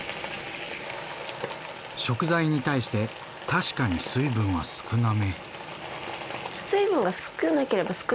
食材に対して確かに水分は少なめ。